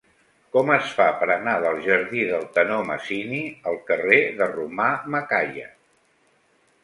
Com es fa per anar del jardí del Tenor Masini al carrer de Romà Macaya?